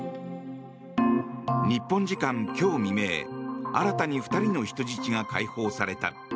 日本時間今日未明新たに２人の人質が解放された。